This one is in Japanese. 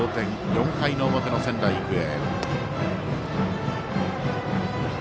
４回の表の仙台育英。